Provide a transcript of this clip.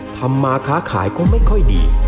ทำมาค้าขายก็ไม่ค่อยดี